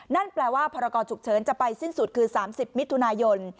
นั่นแปลว่าพรกรฉุกเฉินจะไปสิ้นสุดคือ๓๐มิถุนายน